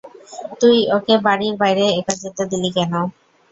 তুই ওকে বাড়ির বাইরে একা যেতে দিলি কেন?